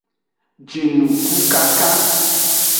Jinukukankan.